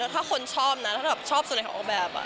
ถ้าคนชอบถ้าชอบส่วนหน่อยของออกแบบ